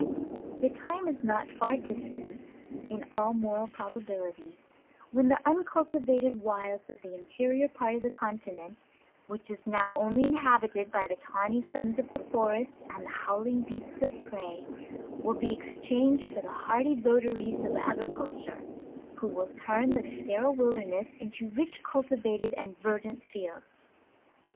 The time is not far distant, in all moral probability, when the uncultivated wilds of the interior part of the continent, which is now only inhabited by the tawny sons of the forest, and the howling beasis of prey, will be exchanged for the hardy votaries of agriculture, who will turn the steril wilderness into rich cultivated and verdant fields.